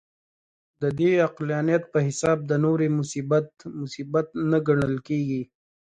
د دې عقلانیت په حساب د نورو مصیبت، مصیبت نه ګڼل کېږي.